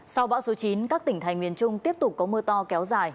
sau bão số chín các tỉnh thành miền trung tiếp tục có mưa to kéo dài